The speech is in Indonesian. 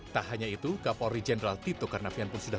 tak hanya itu kapolri jenderal tito karnavian pun sudah